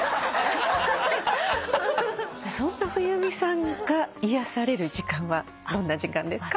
そんな冬美さんが癒やされる時間はどんな時間ですか？